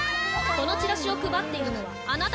このチラシを配っているのはあなたですね？